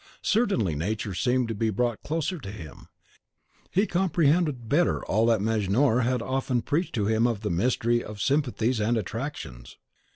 Certainly Nature seemed to be brought closer to him; he comprehended better all that Mejnour had often preached to him of the mystery of sympathies and attractions.